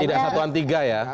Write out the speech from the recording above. tidak satuan tiga ya